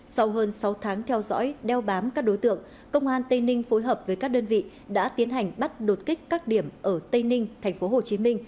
sau hơn sáu tháng theo dõi đeo bám các đối tượng công an tây ninh phối hợp với các đơn vị đã tiến hành bắt đột kích các điểm ở tây ninh tp hcm